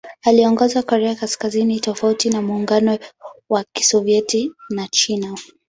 Aliongoza Korea Kaskazini tofauti na Muungano wa Kisovyeti na China.